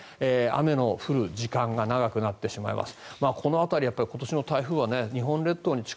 雨の降る時間が長くなってしまいます。